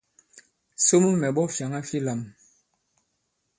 Somo mɛ̀ ɓᴐ fyàŋa fi lām.